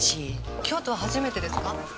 京都は初めてですか？